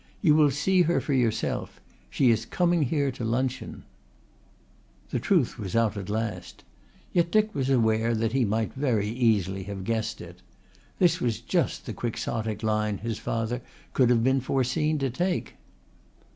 You will see her for yourself. She is coming here to luncheon." The truth was out at last. Yet Dick was aware that he might very easily have guessed it. This was just the quixotic line his father could have been foreseen to take.